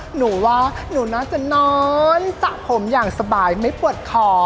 หนูว่าหนูน่าจะนอนสระผมอย่างสบายไม่ปวดคอ